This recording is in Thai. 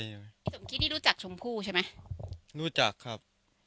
พี่สมคิดนี่รู้จักชมพู่ใช่ไหมรู้จักครับ